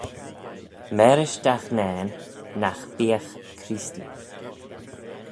Mârish dagh nane nagh beagh Creestee.